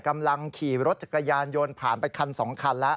กำลังขี่รถจักรยานยนต์ผ่านไปคัน๒คันแล้ว